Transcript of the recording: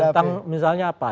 tentang misalnya apa